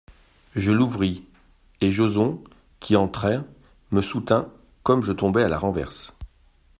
Je l'ouvris, et Joson, qui entrait, me soutint comme je tombais à la renverse.